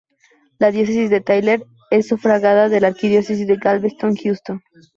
La Diócesis de Tyler es sufragánea d la Arquidiócesis de Galveston-Houston.